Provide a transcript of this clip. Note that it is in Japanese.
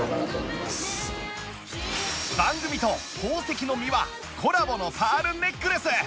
番組と宝石のミワコラボのパールネックレス